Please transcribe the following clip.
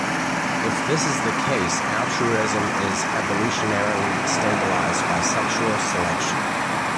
If this is the case altruism is evolutionarily stabilized by sexual selection.